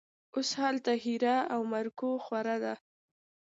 اوس هلته هېره او مرګوخوره ده